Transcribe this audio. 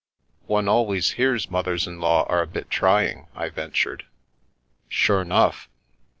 " One always hears mothers in law are a bit trying," I ventured. "Sure 'nough.